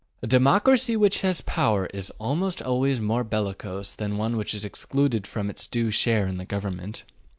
A democracy which has power is almost always more bellicose than one which is excluded from its due share in the government.